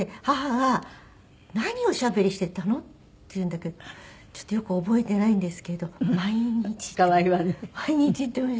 母が「何おしゃべりしてたの？」って言うんだけどちょっとよく覚えてないんですけど毎日行って。